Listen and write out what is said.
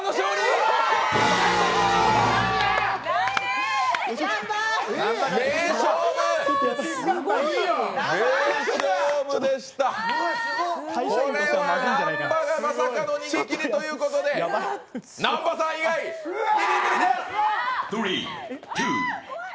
これは南波がまさかの逃げきりということで、南波さん以外ビリビリです！